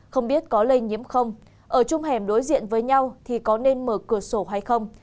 không biết có lây nhiễm không ở trong hẻm đối diện với nhau thì có nên mở cửa sổ hay không